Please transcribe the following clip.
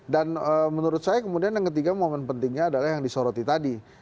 dan menurut saya kemudian yang ketiga momen pentingnya adalah yang disoroti tadi